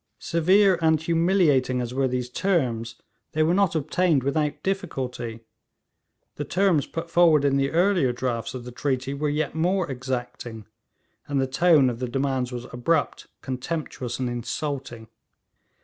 Severe and humiliating as were those terms, they were not obtained without difficulty. The terms put forward in the earlier drafts of the treaty were yet more exacting, and the tone of the demands was abrupt, contemptuous, and insulting.